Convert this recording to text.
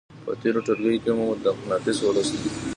په تېرو ټولګیو کې مو مقناطیس ولوستل.